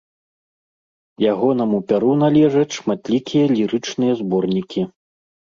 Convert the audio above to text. Ягонаму пяру належаць шматлікія лірычныя зборнікі.